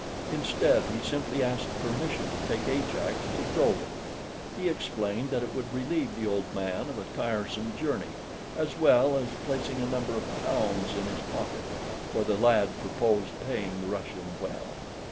Instead, he simply asked permission to take Ajax to Dover. He explained that it would relieve the old man of a tiresome journey, as well as placing a number of pounds in his pocket, for the lad purposed paying the Russian well.